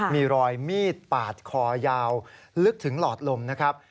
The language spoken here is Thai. มีรอยมีดปาดคอยาวลึกถึงหลอดลมนะครับ